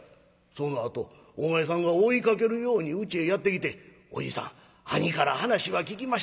そのあとお前さんが追いかけるようにうちへやって来て『おじさん兄から話は聞きました。